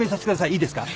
いいですか？